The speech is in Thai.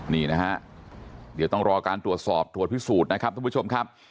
นี่นะฮะเดี๋ยวต้องรอการตรวจสอบตรวจพิสูจน์นะครับทุกผู้ชมครับ